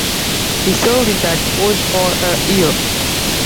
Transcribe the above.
He served in that post for a year.